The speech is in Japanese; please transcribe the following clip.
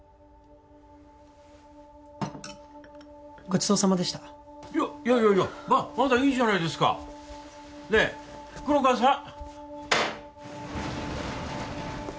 ごちそうさまでしたいやいやいやいやまだいいじゃないですかねえ黒川さん？